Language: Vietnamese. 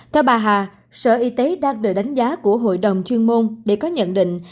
theo bà hà sở y tế đang đợi đánh giá của hội đồng chuyên môn để có nhận định